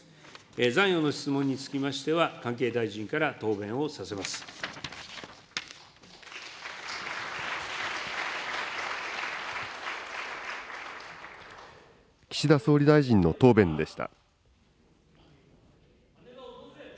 残余の質問につきましては、関係岸田総理大臣の答弁でした。